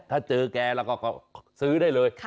ถ้าเจอแกแล้วก็ซื้อได้เลย